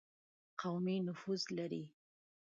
قومي نفوذ لري.